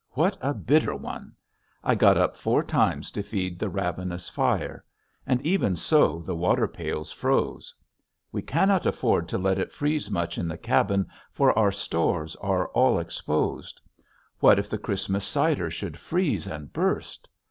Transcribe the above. what a bitter one. I got up four times to feed the ravenous fire. And even so the water pails froze. We cannot afford to let it freeze much in the cabin for our stores are all exposed. What if the Christmas cider should freeze and burst!